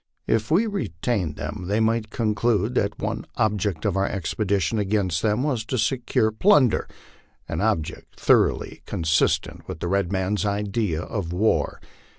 If we retained them they might conclude that one object of our expedition against them was to secure plunder, an object thoroughly con sistent with the red man's idea of war.